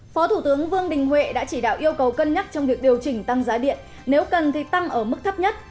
phó thủ tướng vương đình huệ đã chỉ đạo yêu cầu cân nhắc trong việc điều chỉnh tăng giá điện nếu cần thì tăng ở mức thấp nhất